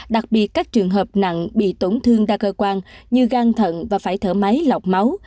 đặc biệt các trường hợp nặng bị tổn thương đa cơ quan như gan thận và phải thở máy lọc máu